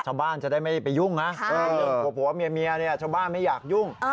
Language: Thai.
ชาวบ้านจะได้ไม่ไปยุ่งผัวเมียชาวบ้านไม่อยากยุ่ง